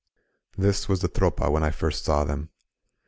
This was the Tropa when I first saw them.